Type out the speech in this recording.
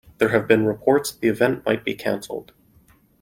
There have been reports the event might be canceled.